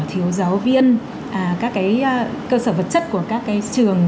thiếu giáo viên các cái cơ sở vật chất của các cái trường